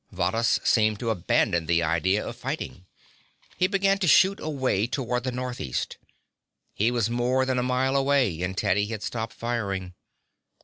Varrhus seemed to abandon the idea of fighting. He began to shoot away toward the northeast. He was more than a mile away, and Teddy had stopped firing.